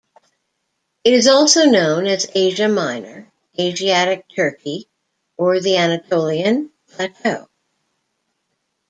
It is also known as Asia Minor, Asiatic Turkey or the Anatolian Plateau.